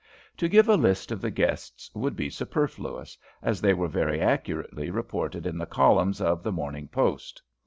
To give a list of the guests would be superfluous, as they were very accurately reported in the columns of the 'Morning Post.'